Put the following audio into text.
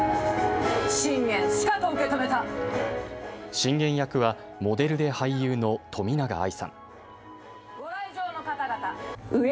信玄役はモデルで俳優の冨永愛さん。